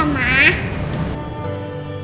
membicara tentang perjanjian kita